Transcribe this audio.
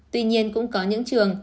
tuy nhiên cũng có những trường